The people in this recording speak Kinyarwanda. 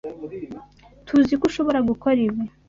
Tuziko ushobora gukora ibi.